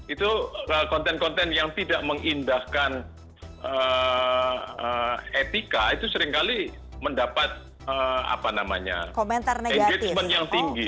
itu konten konten yang tidak mengindahkan etika itu seringkali mendapat komentar negatif